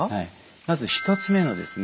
まず１つ目のですね